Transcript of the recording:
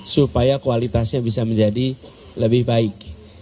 supaya kualitasnya bisa menjadi lebih baik